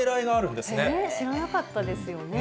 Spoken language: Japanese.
知らなかったですよね。